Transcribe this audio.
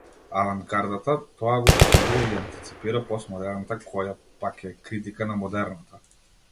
Авангардата тоа го потврдува и ја антиципира постмодерната која, пак, е критика на модерната.